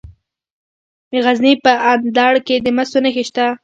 د غزني په اندړ کې د مسو نښې شته.